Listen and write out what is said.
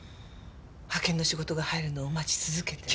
派遣の仕事が入るのを待ち続けて。